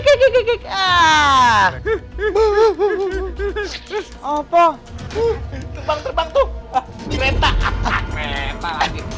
set mana setan terketuk di gigi kek ah buhuhu apa terbang terbang tuh berita akan krema